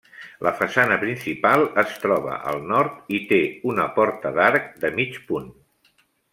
La façana principal es troba al nord i té una porta d'arc de mig punt.